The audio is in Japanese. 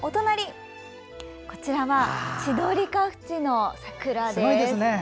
こちらは千鳥ケ淵の桜です。